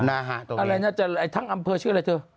อะไรทั้งอำเมอชื่ออะไรเกิด